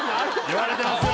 言われてますよ